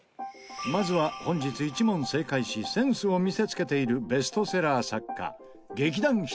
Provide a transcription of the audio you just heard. まずは本日１問正解しセンスを見せつけているベストセラー作家劇団ひとり。